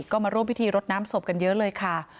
ก็มาร่วมพิธีรดน้ำศพกันเยอะเลยค่ะ